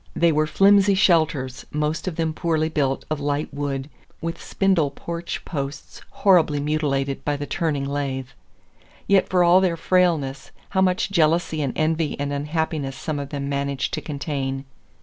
They were flimsy shelters, most of them poorly built of light wood, with spindle porch posts horribly mutilated by the turning lathe. Yet for all their frailness, how much jealousy and envy and unhappiness some of them managed to contain!